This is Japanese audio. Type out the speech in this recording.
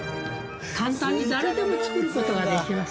簡単に誰でも作る事ができます。